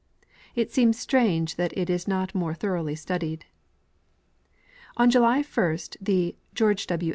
It seems strange that it is not more thor oughly studied. On July 1st the George W.